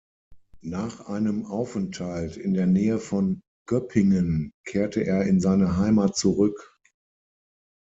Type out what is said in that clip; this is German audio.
Nach einem Aufenthalt in der Nähe von Göppingen kehrte er in seine Heimat zurück.